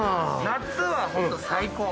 夏はホント最高。